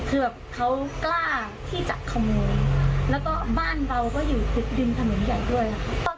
คือแบบเขากล้าที่จะขโมยแล้วก็บ้านเราก็อยู่ทุกดินถนนใหญ่ด้วยค่ะ